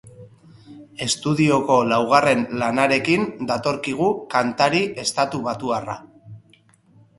Estudioko laugarren lanarekin datorkigu kantari estatubatuarra.